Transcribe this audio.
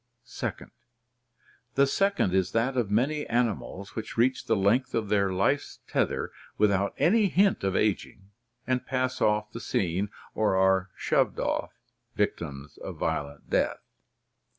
(2) The second is that of many animals which reach the length of their life's tether without any hint of ageing and pass off the scene — or are shoved off — victims of violent death.